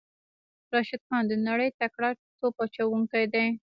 راشد خان د نړۍ تکړه توپ اچوونکی دی.